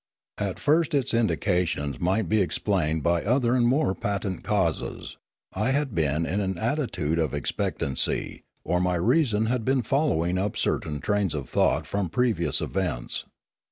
At first its indications might be explained by other and more patent causes; I had been in an atti tude of expectancy, or my reason had been following up certain trains of thought from previous events.